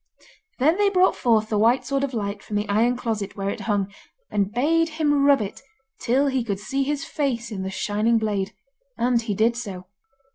Then they brought forth the White Sword of Light from the iron closet where it hung, and bade him rub it till he could see his face in the shining blade; and he did so.